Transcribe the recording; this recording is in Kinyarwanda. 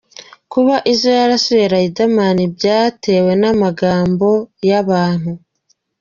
Kuba Izzo yarasuye Riderman, byatewe n’amagambo y’abantu.